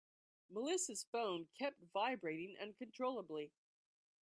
Melissa's phone kept vibrating uncontrollably.